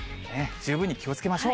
十分に気をつけましょう。